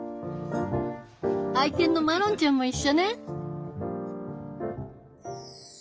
愛犬のマロンちゃんも一緒ね。